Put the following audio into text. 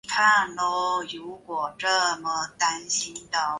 甘蓝金花虫为金花虫科条背金花虫属下的一个种。